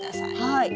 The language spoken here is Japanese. はい。